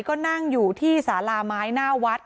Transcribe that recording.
ก็นั่งอยู่ที่สาลาไม้หน้าวัด